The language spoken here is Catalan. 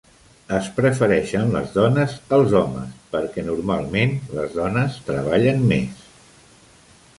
Es prefereixen les dones als homes, perquè normalment les dones treballen més.